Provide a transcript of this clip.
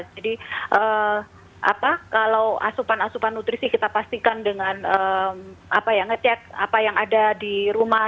jadi apa kalau asupan asupan nutrisi kita pastikan dengan apa ya ngecek apa yang ada di rumah